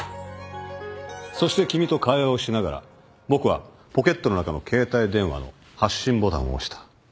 そして君と会話をしながら僕はポケットの中の携帯電話の発信ボタンを押した。